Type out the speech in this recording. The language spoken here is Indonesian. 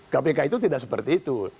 kpk itu tidak seperti itu